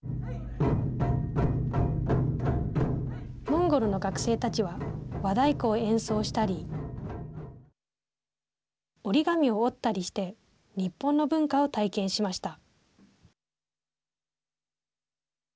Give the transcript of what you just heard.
モンゴルの学生たちは和太鼓を演奏したり折り紙を折ったりして日本の文化を体験しました。